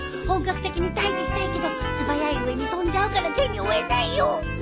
本格的に退治したいけど素早い上に飛んじゃうから手に負えないよ。